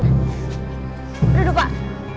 duh duda pak